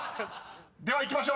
ではいきましょう。